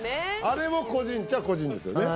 あれも個人っちゃ個人ですよね